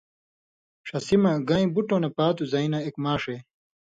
(ݜسی مہ) گان٘یں بُٹؤں نہ پاتُو زئ نہ اېک ماݜے